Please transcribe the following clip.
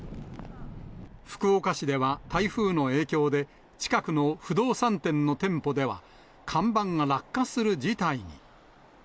福岡市では、台風の影響で、近くの不動産店の店舗では、看板が落下する事態に。